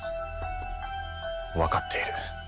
わかっている。